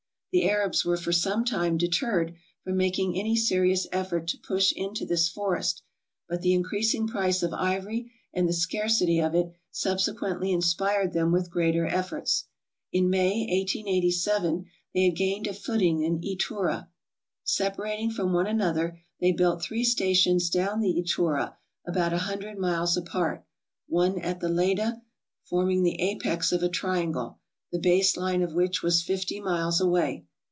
The Arabs were for some time deterred from making any serious effort to push into this forest, but the increasing price of ivory and the scarcity of it subsequently inspired them with greater efforts. In May, 1887, they had gained a footing in Etura. Sepa rating from one another, they built three stations down the Etura, about a hundred miles apart, one at the Leda, form ing the apex of a triangle, the base line of which was fifty miles away.